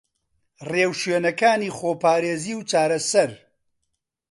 رێوشوێنەکانی خۆپارێزی و چارەسەر